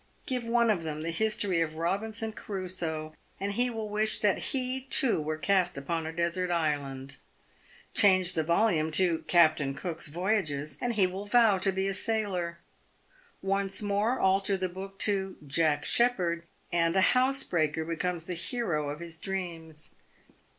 Give one of them the history of " Robinson Crusoe," and he will wish that he, too, were cast upon a desert island. Change the volume to " Captain Cook's Voyages," and he will vow to be a sailor. Once more alter the book to "Jack Sheppard," and a housebreaker becomes the hero of his dreams.